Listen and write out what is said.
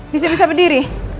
bisa bisa berdiri